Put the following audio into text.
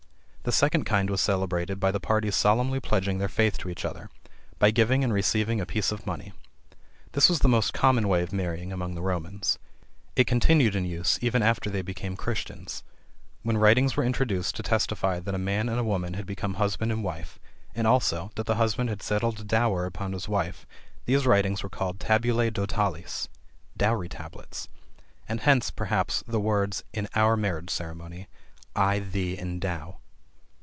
The second kind was celebrated by the parties solemnly pledging their faith to each other, by giving and receiving a piece of money. This was the most common way of marrying among the Romans. It continued in use, even after they became Christians. When writings were introduced to testify that a man and a woman had become husband and wife, and also, that the husband had settled a dower upon his bride, these writings were called Tabulæ Dotales (dowry tables;) and hence, perhaps the words in our marriage ceremony, "I thee endow."